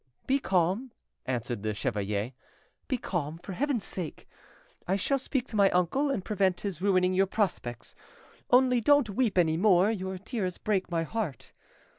"Be calm," answered the chevalier, "be calm, for heaven's sake. I shall speak to my uncle and prevent his ruining your prospects. Only don't weep any more, your tears break my heart.